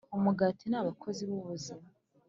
umugati ni abakozi b'ubuzima